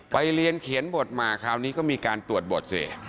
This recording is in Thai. เรียนเขียนบทมาคราวนี้ก็มีการตรวจบทสิ